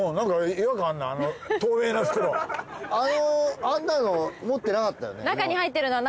あんなの持ってなかったよね。